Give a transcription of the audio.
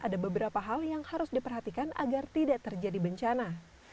ada beberapa hal yang harus diperhatikan agar tidak terjadi bencana